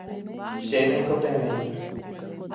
che naikotevẽi.